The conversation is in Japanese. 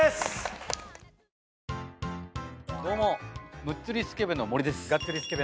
どうもがっつりスケベの江口です。